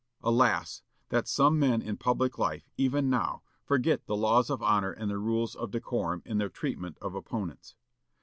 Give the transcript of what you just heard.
Alas! that some men in public life, even now, forget the "laws of honor and the rules of decorum" in their treatment of opponents.